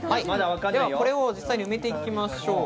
これを実際に埋めていきましょう。